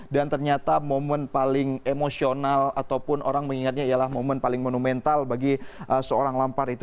dan ternyata momen paling emosional ataupun orang mengingatnya ialah momen paling monumental bagi seorang lampard itu